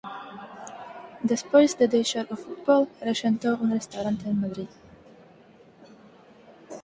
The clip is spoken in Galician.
Despois de deixar o fútbol rexentou un restaurante en Madrid.